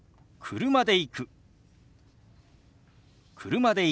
「車で行く」。